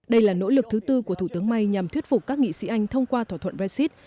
đây là nỗ lực thứ tư của thủ tướng may nhằm thuyết phục các nghị sĩ anh thông qua thỏa thuận brexit